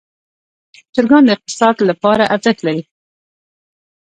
چرګان د اقتصاد لپاره ارزښت لري.